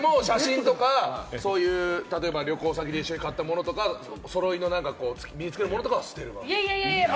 でも写真とか、旅行先で一緒に買ったものとか、お揃いで身につけるものとかは捨てるとか。